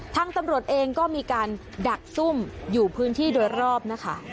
ทางตำรวจเองก็มีการดักซุ่มอยู่พื้นที่โดยรอบนะคะ